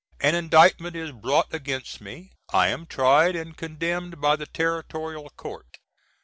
An indictment is brought against me. I am tried and condemned by the territorial court.